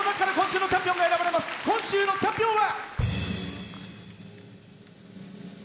今週のチャンピオンは。